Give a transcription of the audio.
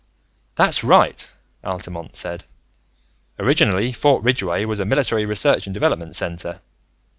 "That's right," Altamont said. "Originally, Fort Ridgeway was a military research and development center.